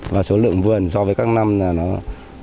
và số lượng vườn so với các năm là ít hơn